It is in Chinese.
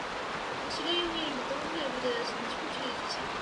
持斧罗摩池桥位于印度最东北部的鲁西特河出山口处的一座桥。